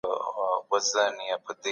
دولت د سياست د مرکز په توګه پېژندل کېږي.